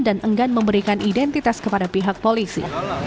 dan enggan memberikan identitas kepada pihak polisi